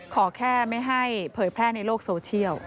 ขอแค่ไม่ให้เผยแพร่ในโลกโซเชียล